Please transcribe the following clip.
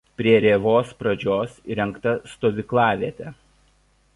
Prie rėvos pradžios įrengta stovyklavietė.